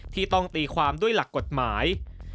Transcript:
ที่ต้องตีความด้วยหลักกฎหมาย